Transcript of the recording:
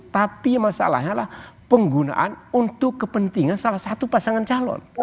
tapi masalahnya adalah penggunaan untuk kepentingan salah satu pasangan calon